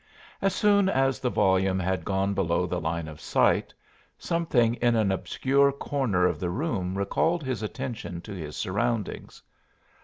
As soon as the volume had gone below the line of sight, something in an obscure corner of the room recalled his attention to his surroundings.